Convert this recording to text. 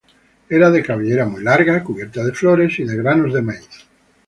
Era de cabellera muy larga, cubierta de flores y de granos de maíz.